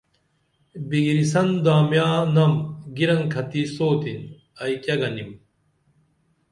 بِگِریسن دامیاں نم گِرنکھتی سوتِن ائی کیہ گنِم